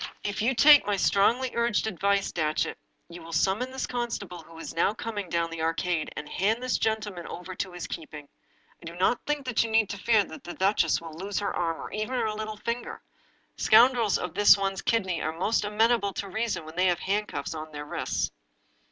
" If you take my strongly urged advice, Datchet, you will summon this constable who is now coming down the Ar cade, and hand this gentleman over to his keeping. I do not think that you need fear that the duchess will lose her arm, or even her little finger. Scoundrels of this one's kidney are most amenable to reason when they have hand cuffs on their wrists."